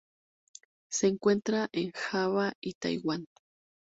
Se encuentra en Java y Taiwán.